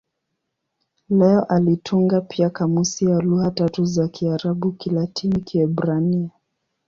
Leo alitunga pia kamusi ya lugha tatu za Kiarabu-Kilatini-Kiebrania.